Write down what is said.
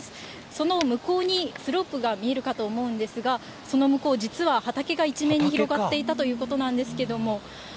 その向こうにスロープが見えるかと思うんですが、その向こう、実は畑が一面に広がっていたということなんですけれども。